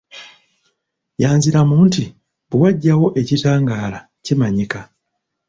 Yanziramu nti, "Bwe wajjawo ekitangaala kimanyika".